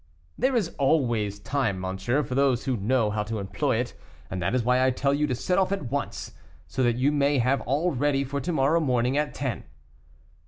"There is always time, monsieur, for those who know how to employ it; that is why I tell you to set off at once, so that you may have all ready for to morrow morning at ten.